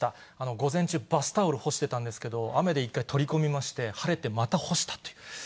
午前中、バスタオル干してたんですけど、雨で一回取り込みまして、晴れてまた干したという。